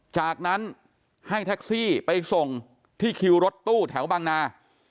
จากนั้นให้แท็กซี่ไปส่งที่คิวรถตู้แถวบางนา